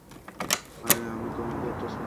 আরে আমি তোমাকে এটা শিক্ষা দিয়েছি?